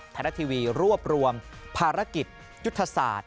ไทยรัฐทีวีรวบรวมภารกิจยุทธศาสตร์